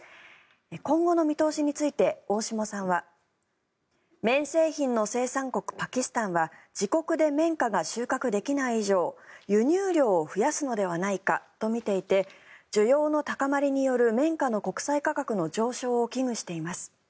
今後の見通しについて大下さんは綿製品の生産国パキスタンは自国で綿花が収穫できない以上輸入量を増やすのではないかとみていて需要の高まりによる綿花の国際価格の上昇を危惧しています。